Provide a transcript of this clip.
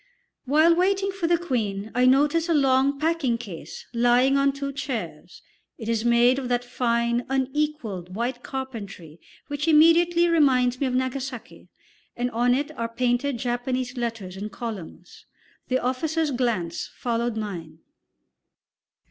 While waiting for the Queen I notice a long packing case lying on two chairs; it is made of that fine, unequalled, white carpentry which immediately reminds me of Nagasaki, and on it are painted Japanese letters in columns. The officer's glance followed mine.